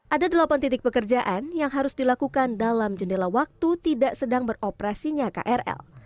ada delapan titik pekerjaan yang harus dilakukan dalam jendela waktu tidak sedang beroperasinya krl